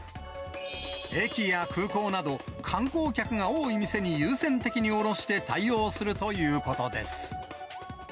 駅や空港など、観光客が多い店に優先的に卸して対応するということです。